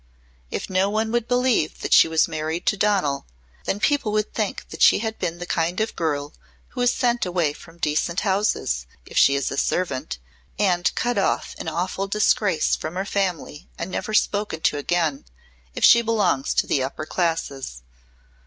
If no one would believe that she was married to Donal, then people would think that she had been the kind of girl who is sent away from decent houses, if she is a servant, and cut off in awful disgrace from her family and never spoken to again, if she belongs to the upper classes.